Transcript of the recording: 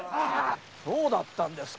そうだったんですか。